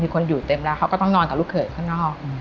คนอยู่เต็มแล้วเขาก็ต้องนอนกับลูกเขยข้างนอก